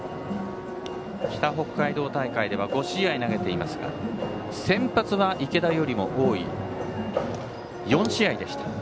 北北海道大会では５試合投げていますが先発は池田よりも多い４試合。